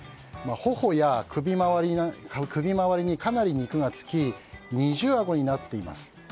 頬や首回りにかなり肉がつき二重あごになっています。